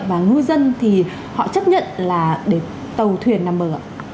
và ngư dân thì họ chấp nhận là để tàu thuyền nằm bờ ạ